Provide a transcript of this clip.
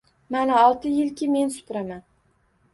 Mana olti yilki… men supuraman.